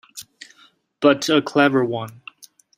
But a clever one.